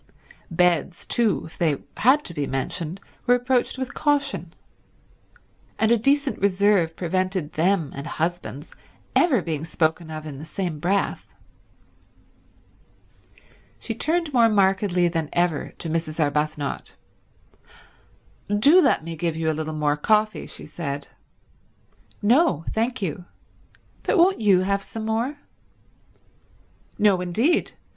Beds too, if they had to be mentioned, were approached with caution; and a decent reserve prevented them and husbands ever being spoken of in the same breath. She turned more markedly than ever to Mrs. Arbuthnot. "Do let me give you a little more coffee," she said. "No, thank you. But won't you have some more?" "No indeed.